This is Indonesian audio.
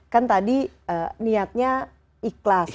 kan tadi niatnya ikhlas